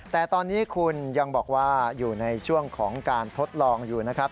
แต่ตอนนี้คุณยังบอกว่าอยู่ในช่วงของการทดลองอยู่นะครับ